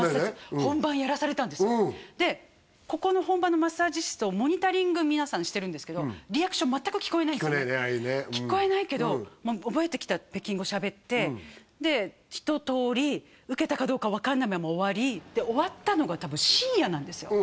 本番やらされたんですよでここの本番のマッサージ室をモニタリング皆さんしてるんですけど聞こえないよねああいうのね聞こえないけど覚えてきた北京語喋ってで一通りウケたかどうか分かんないまま終わり終わったのが多分深夜なんですよ